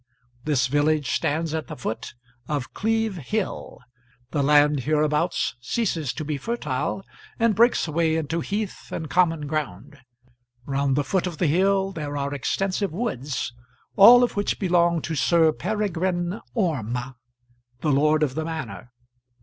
This village stands at the foot of Cleeve Hill. The land hereabouts ceases to be fertile, and breaks away into heath and common ground. Round the foot of the hill there are extensive woods, all of which belong to Sir Peregrine Orme, the lord of the manor.